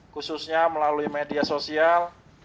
khususnya melalui media sosial